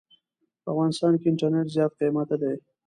په افغانستان کې انټرنيټ زيات قيمته دي.